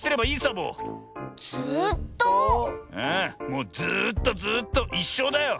もうずっとずっといっしょうだよ。